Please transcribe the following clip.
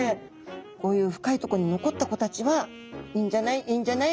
こういう深いとこに残った子たちはいいんじゃない？いいんじゃない？